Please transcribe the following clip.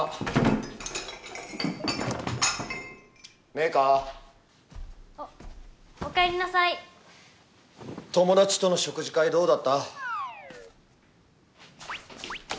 明花・おっおかえりなさい・友達との食事会どうだった？